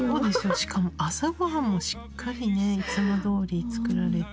しかも朝ごはんもしっかりねいつもどおり作られて。